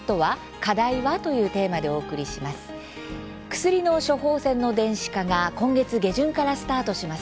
薬の処方箋の電子化が今月下旬からスタートします。